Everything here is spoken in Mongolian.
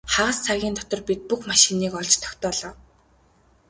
Хагас цагийн дотор бид бүх машиныг олж тогтоолоо.